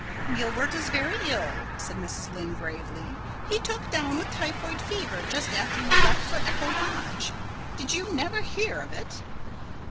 "Gilbert is very ill," said Mrs. Lynde gravely. "He took down with typhoid fever just after you left for Echo Lodge. Did you never hear of it?"